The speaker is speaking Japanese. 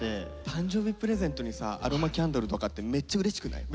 誕生日プレゼントにさアロマキャンドルとかってめっちゃうれしくない？